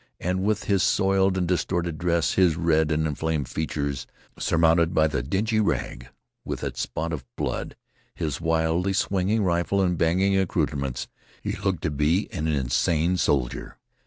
And with his soiled and disordered dress, his red and inflamed features surmounted by the dingy rag with its spot of blood, his wildly swinging rifle and banging accouterments, he looked to be an insane soldier.